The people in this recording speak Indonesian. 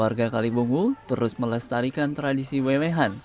warga kalimungu terus melestarikan tradisi weh wehan